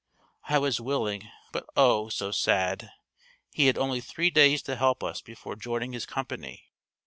I was willing, but oh, so sad! He had only three days to help us before joining his company.